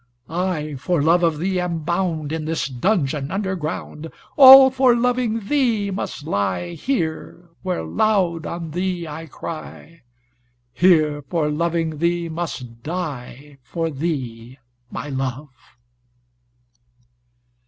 I for love of thee am bound In this dungeon underground, All for loving thee must lie Here where loud on thee I cry, Here for loving thee must die For thee, my love."